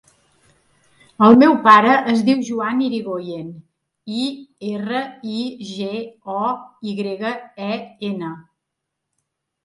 El meu pare es diu Joan Irigoyen: i, erra, i, ge, o, i grega, e, ena.